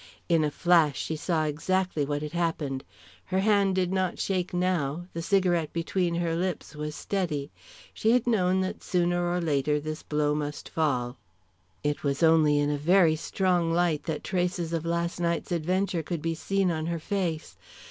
In a flash she saw exactly what had happened. Her hand did not shake now, the cigarette between her lips was steady. She had known that sooner or later this blow must fall. It was only in a very strong light that traces of last night's adventures could be seen on her face.